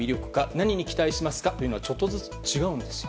何に期待しますかというのはちょっとずつ違うんです。